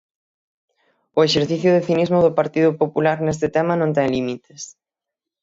O exercicio de cinismo do Partido Popular neste tema non ten límites.